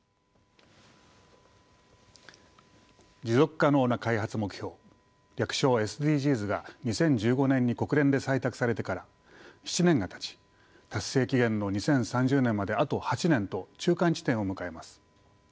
持続可能な開発目標略称ＳＤＧｓが２０１５年に国連で採択されてから７年がたち達成期限の２０３０年まであと８年と中間地点を迎えます。